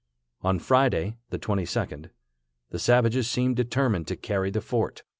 On Friday, the 22d, the savages seemed determined to carry the fort.